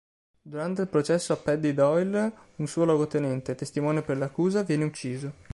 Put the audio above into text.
Durante il processo a Paddy Doyle un suo luogotenente, testimone per l'accusa, viene ucciso.